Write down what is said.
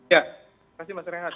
ya terima kasih mas rehat